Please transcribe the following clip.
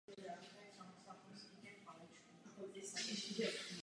Vádí směřuje k jihozápadu a jihu a postupně se zařezává do okolního terénu.